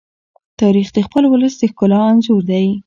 تاریخ د خپل ولس د ښکلا انځور دی.